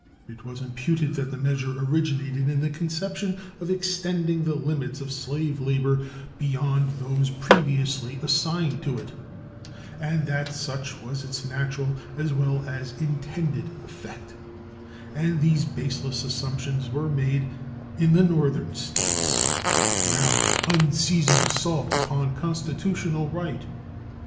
It was imputed that the measure originated in the conception of extending the limits of slave labor beyond those previously assigned to it, and that such was its natural as well as intended effect; and these baseless assumptions were made, in the Northern States, the ground of unceasing assault upon constitutional right.